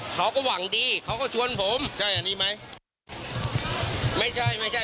เขาก็หวังดีเขาก็ชวนผมใช่อันนี้ไหมไม่ใช่ไม่ใช่